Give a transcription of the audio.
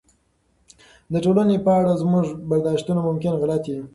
د ټولنې په اړه زموږ برداشتونه ممکن غلط وي.